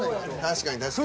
確かに確かに。